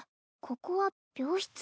ここは病室！？